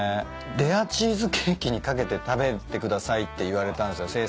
「レアチーズケーキに掛けて食べてください」って言われたんすよ